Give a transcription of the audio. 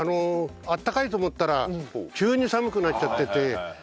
あったかいと思ったら急に寒くなっちゃってて。